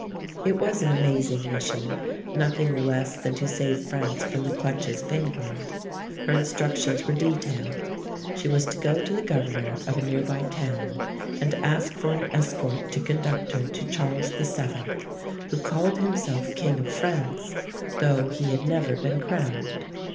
It was an amazing mission; nothing less than to save France from the clutches of England. Her instructions were detailed. She was to go to the governor of a nearby town and ask for an escort to conduct her to Charles VII, who called himself king of France, though he had never been crowned.